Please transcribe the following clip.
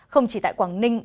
không chỉ tại quảng ninh